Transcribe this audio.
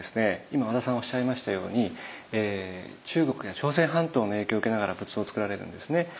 今和田さんおっしゃいましたように中国や朝鮮半島の影響を受けながら仏像つくられるんですね。